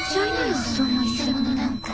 そんな偽者なんか。